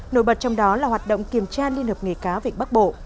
nổi bật trong đó là hoạt động kiểm tra liên hợp nghề cáo vịnh bắc bộ